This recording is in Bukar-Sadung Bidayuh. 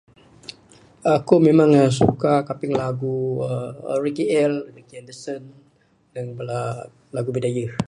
uhh aku memang uhh suka kaping lagu uhh ricky el ricky andrewson dengan bala lagu bidayuh.